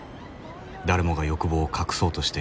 誰もが欲望を隠そうとしていない